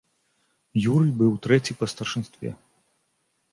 Юрый быў трэці па старшынстве.